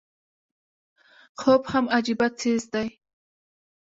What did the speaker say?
خوب هم عجيبه څيز دی